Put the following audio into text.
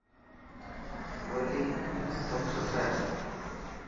ٻولي سڀ سٺي هي.